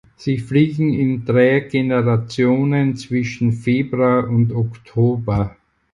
Sie fliegen in drei Generationen zwischen Februar und Oktober.